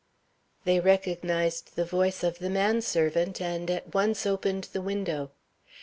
They recognized the voice of the man servant, and at once opened the window.